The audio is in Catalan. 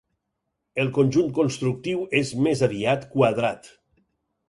El conjunt constructiu és més aviat quadrat.